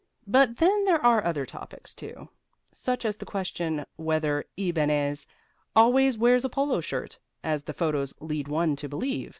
But then there are other topics, too, such as the question whether Ibáñez always wears a polo shirt, as the photos lead one to believe.